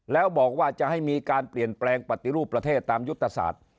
แล้วบอกว่าจะให้มีการเปลี่ยนแปลงปฏิรูปประเทศตามยุทธศาสตร์